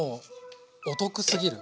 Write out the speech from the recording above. お得すぎる。